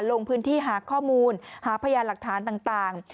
ลงพื้นที่หาข้อมูลหาพยานหลักฐานต่าง